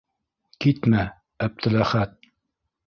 Китмә, Әптеләхәт!